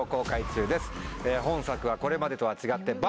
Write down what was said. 本作はこれまでとは違って。